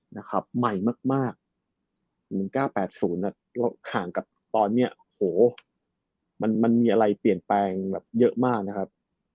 ๑๙๘๐น่ะห่างกับตอนนี้โหมันมีอะไรเปลี่ยนแปลงเยอะมากนะครับ